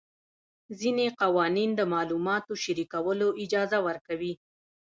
ځینې قوانین د معلوماتو شریکولو اجازه ورکوي.